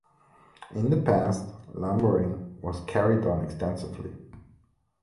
In the past, lumbering was carried on extensively.